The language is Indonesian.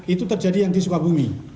itu terjadi yang di sukabumi